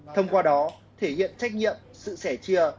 thông qua đó thể hiện trách nhiệm sự sẻ chia